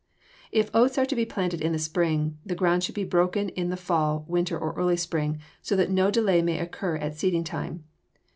If oats are to be planted in the spring, the ground should be broken in the fall, winter, or early spring so that no delay may occur at seeding time.